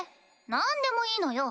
何でもいいのよ。